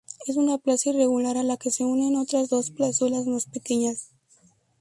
Es una plaza irregular a la que se unen otras dos plazuelas más pequeñas.